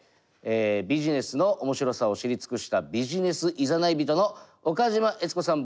ビジネスの面白さを知り尽くしたビジネス誘い人の岡島悦子さん